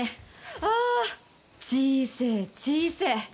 ア、小せえ小せえ。